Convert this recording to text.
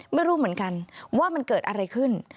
ไม่รู้เหมือนกันว่ามันเกิดอะไรขึ้น